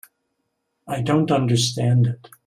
I don't understand it.